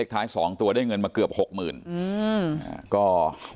ถ้าตัวได้เงินเกือบ๖๐๐๐๐บาท